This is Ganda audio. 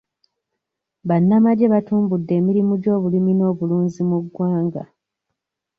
Bannamagye batumbudde emirimu gy'obulimi n'obulunzi mu ggwanga.